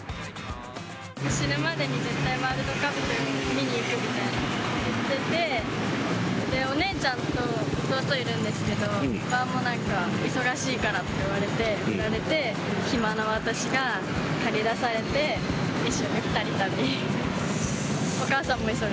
死ぬまでに絶対、ワールドカップを見に行くって言ってて、お姉ちゃんと弟いるんですけど、なんか、忙しいからって言われて、ふられて、暇な私が駆り出されて、一緒に２人旅。